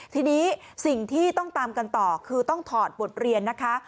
ทีนี้สิ่งที่ต้องตามกันต่อคือต้องถอดบทเรียนนะคะ